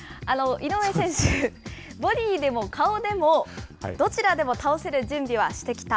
井上選手、ボディーでも顔でもどちらでも倒せる準備はしてきた。